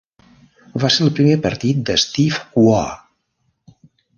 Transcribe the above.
Va ser el primer partit de Steve Waugh.